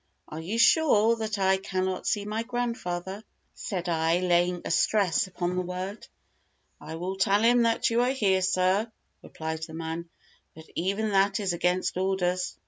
"Are you sure that I cannot see my grandfather," said I, laying a stress upon the word. "I will tell him that you are here, sir," replied the man, "but even that is against orders."